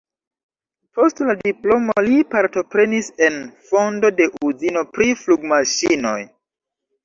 Post la diplomo li partoprenis en fondo de uzino pri flugmaŝinoj.